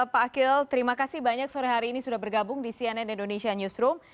pak akhil terima kasih banyak sore hari ini sudah bergabung di cnn indonesia newsroom